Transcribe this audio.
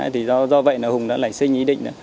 thì do vậy hùng đã lãnh sinh ý định